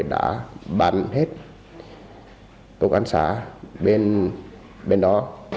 đã bắn hết tục án xã bên đó